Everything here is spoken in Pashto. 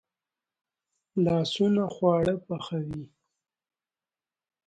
لاسونه خواړه پخوي